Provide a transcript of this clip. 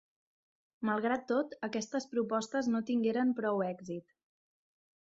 Malgrat tot, aquestes propostes no tingueren prou èxit.